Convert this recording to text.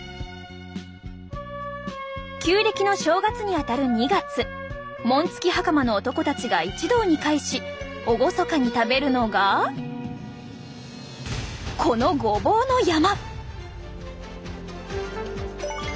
旧暦の正月にあたる２月紋付き袴の男たちが一堂に会し厳かに食べるのがこのごぼうの山！